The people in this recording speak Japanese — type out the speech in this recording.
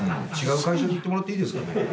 違う会社に行ってもらっていいですかね。